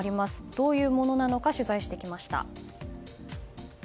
どういうものなのか取材してきました。